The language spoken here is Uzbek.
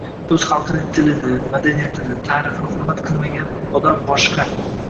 O’z xalqining tilini, madaniyatini, tarixini hurmat qilmagan odamboshqa